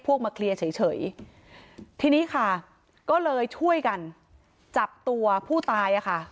มาเคลียร์เฉยทีนี้ค่ะก็เลยช่วยกันจับตัวผู้ตายอ่ะค่ะ